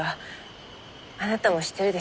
あなたも知ってるでしょう？